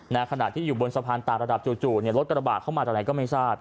ขณะที่อยู่บนสะพานต่างระดับจู่เนี่ยรถกระบะเข้ามาจากไหนก็ไม่ทราบ